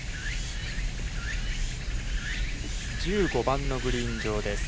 １５番のグリーン上です。